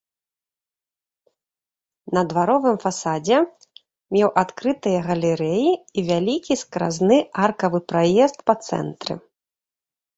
На дваровым фасадзе меў адкрытыя галерэі і вялікі скразны аркавы праезд па цэнтры.